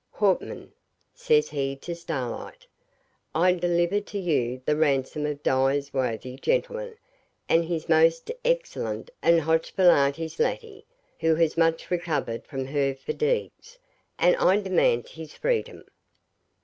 Hauptman!' says he to Starlight, 'I delifer to you the ransom of dies wothy chentleman and his most excellend and hoch besahltes laty, who has much recovered from her fadigues, and I demant his freetom.'